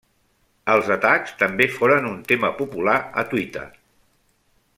Els atacs també foren un tema popular a Twitter.